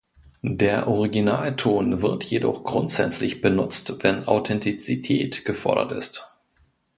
Der Originalton wird jedoch grundsätzlich benutzt wenn Authentizität gefordert ist.